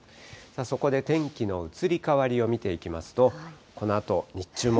そこで天気の移り変わりを見ていきますと、このあと日中も。